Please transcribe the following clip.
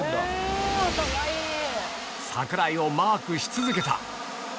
櫻井をマークし続けた。